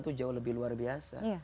itu jauh lebih luar biasa